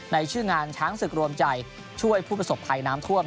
ชื่องานช้างศึกรวมใจช่วยผู้ประสบภัยน้ำท่วม